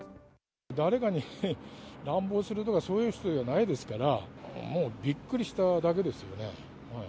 誰かに乱暴するとか、そういう人ではないですから、もうびっくりしただけですよね。